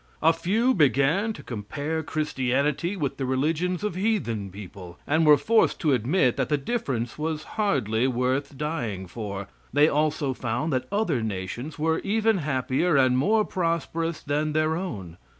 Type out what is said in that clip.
A few began to compare Christianity with the religions of heathen people, and were forced to admit that the difference was hardly worth dying for. They also found that other nations were even happier and more prosperous than their own.